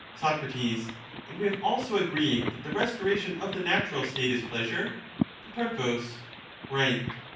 Soc. And we have also agreed that the restoration of the natural state is pleasure ? Pro. Right.